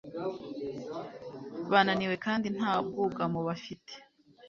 Bananiwe kandi nta bwugamo bafite,